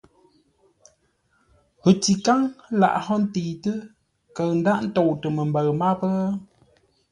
Pətíkáŋ laghʼ hó ntəitə́, kəʉ ndághʼ ntóutə məmbəʉ máp ?